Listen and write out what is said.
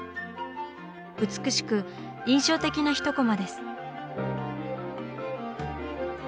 美しく印象的な１コマです。